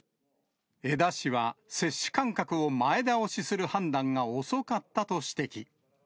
江田氏は、接種間隔を前倒しする判断が遅かったと指摘。